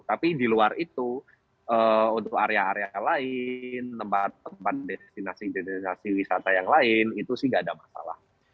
tapi di luar itu untuk area area lain tempat tempat destinasi destinasi wisata yang lain itu sih nggak ada masalah